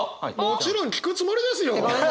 もちろん聞くつもりですよ！